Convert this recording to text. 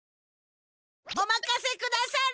おまかせくだされ！